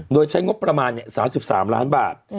โดยใช้งบประมาณ๓๓ล้านบาท